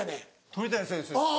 鳥谷選手ですか？